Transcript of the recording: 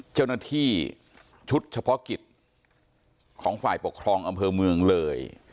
เจ้าหน้าที่ชุดเฉพาะกิจของฝ่ายปกครองอำเภอเมืองเลย